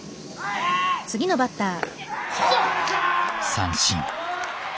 三振。